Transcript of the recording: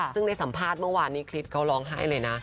ซึ่งในสัมภาษณ์เมื่อวานนี้คริสเขาร้องไห้เลยนะ